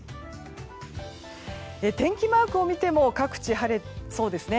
天気マークを見ても各地晴れそうですね。